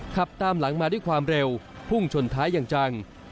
ขับตามหลังมาด้วยความเร็วพุ่งชนท้ายอย่างจัง